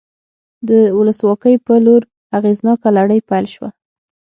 د ولسواکۍ په لور اغېزناکه لړۍ پیل شوه.